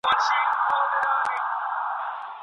په لاس لیکل د لوستل سوي متن د هضمولو لاره ده.